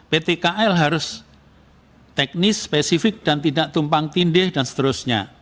pt kl harus teknis spesifik dan tidak tumpang tindih dan seterusnya